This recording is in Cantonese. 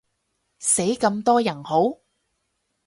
死咁多人好？